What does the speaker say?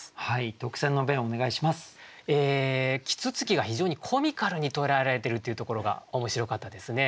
啄木鳥が非常にコミカルに捉えられてるっていうところが面白かったですね。